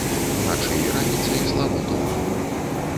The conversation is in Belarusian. Уначы і раніцай слабы туман.